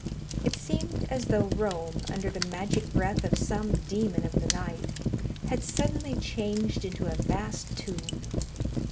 It seemed as though Rome, under the magic breath of some demon of the night, had suddenly changed into a vast tomb.